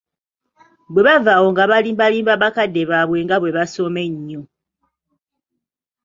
Bwe bava awo nga balimbalimba bakadde baabwe nga bwe basoma ennyo